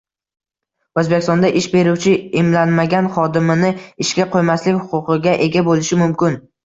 O‘zbekistonda ish beruvchi emlanmagan xodimini ishga qo‘ymaslik huquqiga ega bo‘lishi mumkin